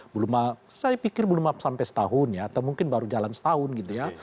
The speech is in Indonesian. belum maaf saya pikir belum sampai setahun ya atau mungkin baru jalan setahun gitu ya